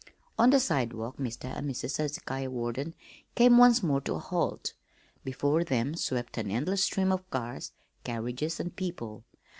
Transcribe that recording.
On the sidewalk Mr. and Mrs. Hezekiah Warden came once more to a halt. Before them swept an endless stream of cars, carriages, and people.